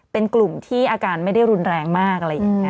เป็นกลุ่มที่อาการไม่ได้รุนแรงมาก